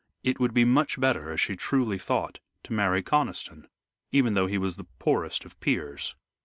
It would be much better, as she truly thought, to marry Conniston, even though he was the poorest of peers.